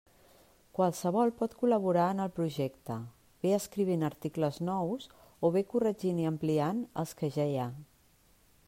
Qualsevol pot col·laborar en el projecte, bé escrivint articles nous, o bé corregint i ampliant els que ja hi ha.